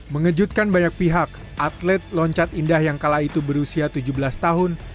mengejutkan banyak pihak atlet loncat indah yang kala itu berusia tujuh belas tahun